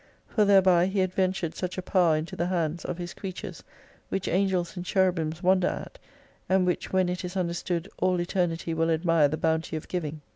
For thereby He adventured such a power into the hands of His creatures, which Angels and Cherubims wonder at, and which when it is under stood all Eternity will admire the bounty of giving.